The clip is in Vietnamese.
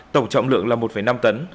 tổng trọng lượng là một năm tấn